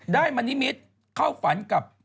ได้มณมิชเข้าฝันกับ